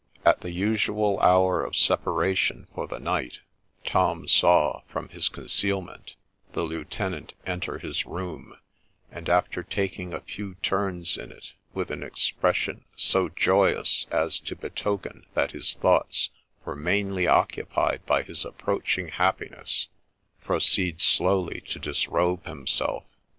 At the usual hour of separation for the night, Tom saw, from his concealment, the lieutenant enter his room, and, after taking a few turns in it, with an expression so joyous as to betoken that his thoughts were mainly occupied by his approaching happiness, proceed slowly to disrobe himself.